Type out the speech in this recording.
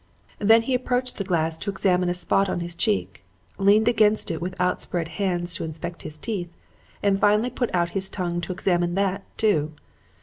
Then he approached the glass to examine a spot on his cheek; leaned against it with outspread hands to inspect his teeth, and finally put out his tongue to examine that too.